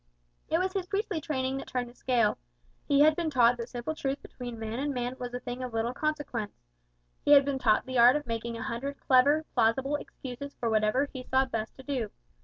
It was his priestly training that turned the scale. He had been taught that simple truth between man and man was a thing of little consequence. He had been taught the art of making a hundred clever, plausible excuses for whatever he saw best to do.